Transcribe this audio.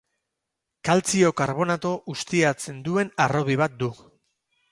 Kaltzio karbonato ustiatzen duen harrobi bat du.